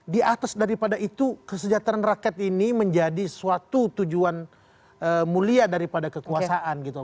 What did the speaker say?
di atas daripada itu kesejahteraan rakyat ini menjadi suatu tujuan mulia daripada kekuasaan gitu